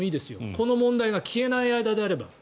この問題が消えない間であれば。